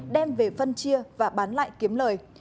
đem về phân chia và bán lại kiếm lời